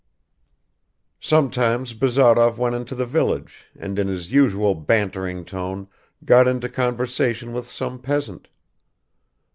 Sometimes Bazarov went into the village and in his usual bantering tone got into conversation with some peasant.